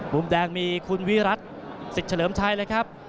มุมแดงมีคุณวิรัติสิทธิ์เฉลิมชัยเลยครับ